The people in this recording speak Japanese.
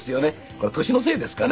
これ年のせいですかね？